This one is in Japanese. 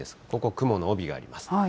ここ、雲の帯があります。